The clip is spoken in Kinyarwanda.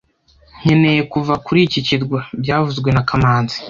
Nkeneye kuva kuri iki kirwa byavuzwe na kamanzi